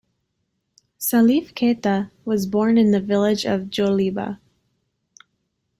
Salif Keita was born in the village of Djoliba.